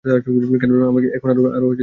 কেননা আমাকে এখন আরো বড় হতে হবে।